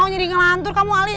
tau nyering ngelantur kamu ali